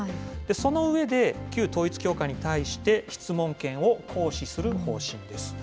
その上で、旧統一教会に対して質問権を行使する方針です。